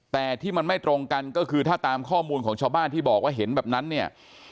แต่ที่มันไม่ตรงกันก็คือถ้าตามข้อมูลของชาวบ้านที่บอกว่าเห็นแบบนั้นเนี่ย